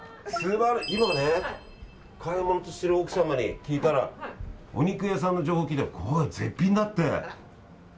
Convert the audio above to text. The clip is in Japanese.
今ね、買い物してる奥様に聞いたらお肉屋さんの情報を聞いたらここが絶品だって。